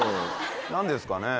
何ですかね？